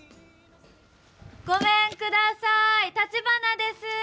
ごめんください、たちばなです。